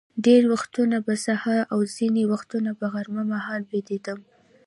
ډېر وختونه به سهار او ځینې وختونه به غرمه مهال بېدېدم.